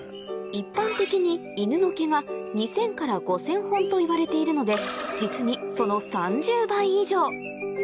一般的に犬の毛が２０００から５０００本といわれているので実にその３０倍以上！